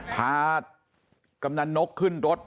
พากำนันนกขึ้นรถ